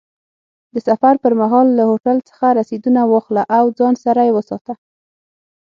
د سفر پر مهال له هوټل څخه رسیدونه واخله او ځان سره یې وساته.